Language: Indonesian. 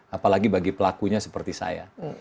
apalagi bagi pelakunya seperti saya